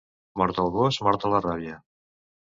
Mort el gos, morta la ràbia.